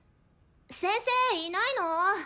先生いないの？